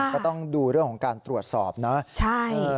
ก็ต้องดูเรื่องของการตรวจสอบนะใช่